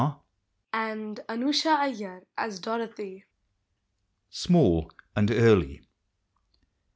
SMALL AND EARLY.